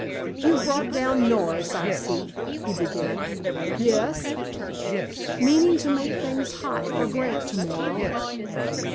"You've brought down Norris, I see?" he began. "Yes." "Meaning to make things hot for Grant tomorrow?"